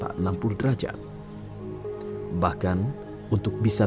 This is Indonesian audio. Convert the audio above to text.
bahkan untuk bisa terkoneksi kita harus mencari jalan yang lebih jauh